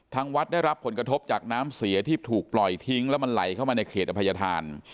ทางวัดได้รับผลกระทบจากน้ำเสียที่ถูกปล่อยทิ้งแล้วมันไหลเข้ามาในเขตอภัยธาน